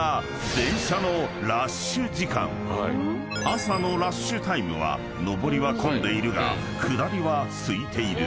［朝のラッシュタイムは上りは混んでいるが下りはすいている］